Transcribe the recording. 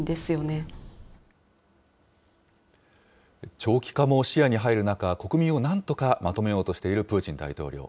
長期化も視野に入る中、国民をなんとかまとめようとしているプーチン大統領。